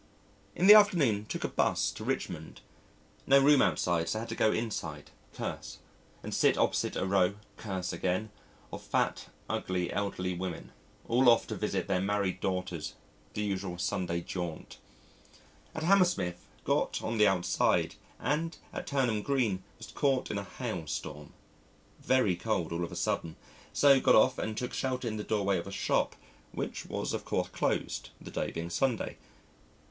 In the afternoon, took a 'bus to Richmond. No room outside, so had to go inside curse and sit opposite a row curse again of fat, ugly, elderly women, all off to visit their married daughters, the usual Sunday jaunt. At Hammersmith got on the outside, and at Turnham Green was caught in a hail storm. Very cold all of a sudden, so got off and took shelter in the doorway of a shop, which was of course closed, the day being Sunday.